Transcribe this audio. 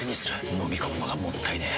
のみ込むのがもったいねえ。